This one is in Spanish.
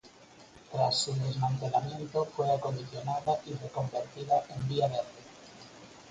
Tras su desmantelamiento fue acondicionada y reconvertida en Vía Verde.